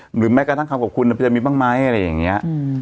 หรือแม้กระทั่งคำขอบคุณมันจะมีบ้างไหมอะไรอย่างนี้